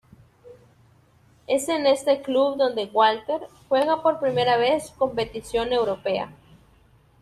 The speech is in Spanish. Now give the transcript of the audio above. Es en este club donde Walter, juega por primera vez competición Europea.